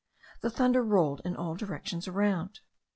The thunder rolled in all directions around.